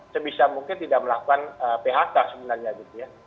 sebisa mungkin tidak melakukan phk sebenarnya gitu ya